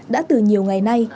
đã từ nhiều ngày nay